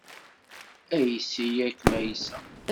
Ayes-iyi ad kem-ayseɣ.